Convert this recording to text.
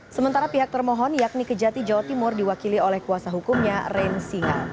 sementara pihak termohon yakni kejati jawa timur diwakili oleh kuasa hukumnya ren singa